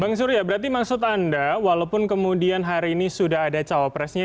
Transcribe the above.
bang surya berarti maksud anda walaupun kemudian hari ini sudah ada cawapresnya